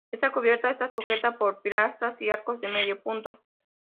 Esta cubierta está sujeta por pilastras y arcos de medio punto.